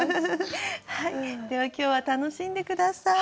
では今日は楽しんで下さい。